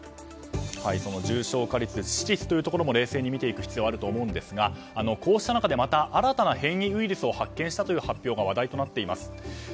重症化リスク、致死率も冷静に見ていく必要があると思うんですがこうした中でまた新たな変異ウイルスを発見したというニュースが話題となっています。